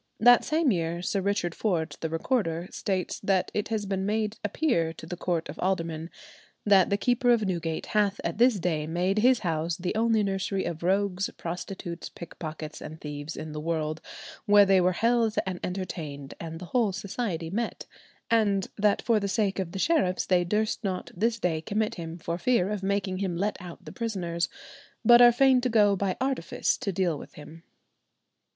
That same year Sir Richard Ford, the recorder, states that it has been made appear to the court of aldermen "that the keeper of Newgate hath at this day made his house the only nursery of rogues, prostitutes, pickpockets, and thieves in the world, where they were held and entertained and the whole society met, and that for the sake of the sheriffs[92:1] they durst not this day commit him for fear of making him let out the prisoners, but are fain to go by artifice to deal with him."